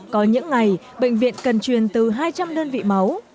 có những ngày bệnh viện cần truyền từ hai trăm linh đơn vị máu